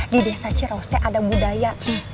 di desa cirose ada budaya